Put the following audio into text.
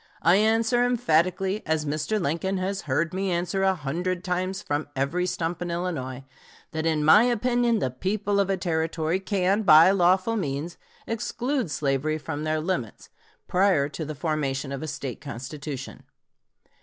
I answer emphatically, as Mr. Lincoln has heard me answer a hundred times from every stump in Illinois, that in my opinion the people of a Territory can, by lawful means, exclude slavery from their limits, prior to the formation of a State constitution.